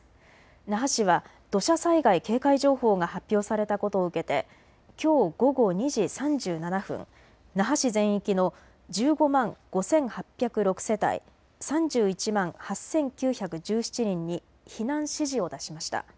那覇市は土砂災害警戒情報が発表されたことを受けてきょう午後２時３７分那覇市全域の１５万５８０６世帯、３１万８９１７人に避難指示を出しました。